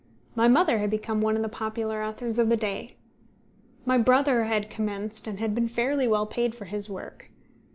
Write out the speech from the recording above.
My mother had become one of the popular authors of the day. My brother had commenced, and had been fairly well paid for his work.